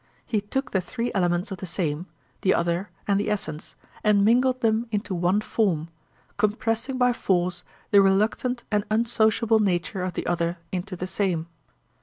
He took the three elements of the same, the other, and the essence, and mingled them into one form, compressing by force the reluctant and unsociable nature of the other into the same.